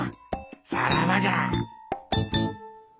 さらばじゃ。